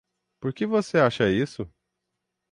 Por que você acha isso?